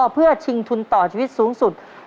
เพื่อชิงทุนต่อชีวิตสูงสุด